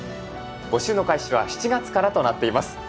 募集の開始は７月からとなっています。